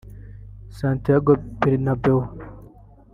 Santiago Bernabeu